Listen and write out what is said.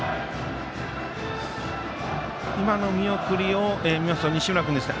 今の見送りを見ますと西村君ですか。